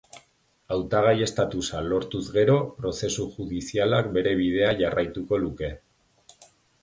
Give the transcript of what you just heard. Hautagai estatusa lortuz gero, prozesu judizialak bere bidea jarraituko luke.